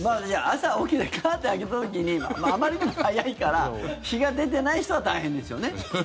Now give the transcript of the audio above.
朝起きてカーテン開けた時にあまりにも早いから日が出てない人は大変ですよね。